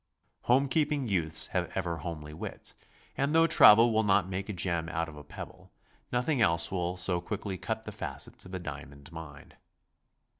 "Home keeping youth have ever homely wits," and though travel will not make a gem out of a pebble, nothing else will so quickly cut the facets of a diamond mind.